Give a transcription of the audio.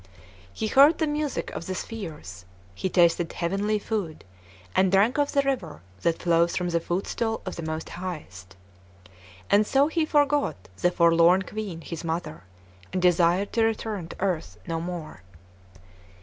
He heard the music of the spheres, he tasted heavenly food, and drank of the river that flows from the footstool of the Most Highest. And so he forgot the forlorn Queen, his mother, and desired to return to earth no more.